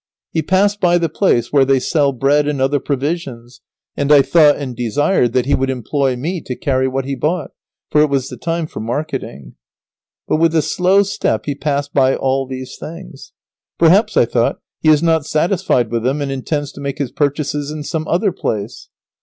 He passed by the place where they sell bread and other provisions, and I thought and desired that he would employ me to carry what he bought, for it was the time for marketing. But, with a slow step, he passed by all these things. Perhaps, I thought, he is not satisfied with them and intends to make his purchases in some other place.